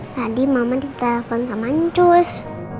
tadi mama ditelepon sama nyus